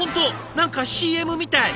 何かＣＭみたい。